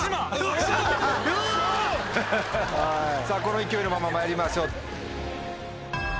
さぁこの勢いのまままいりましょう。